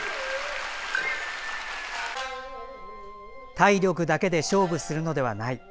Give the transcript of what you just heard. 体力だけで勝負するのではない。